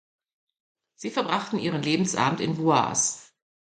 Sie verbrachten ihren Lebensabend in Boise.